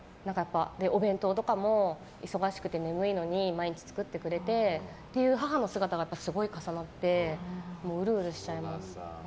お弁当とかも、忙しくて眠いのに毎日作ってくれてっていう母の姿がすごい重なってうるうるしちゃいます。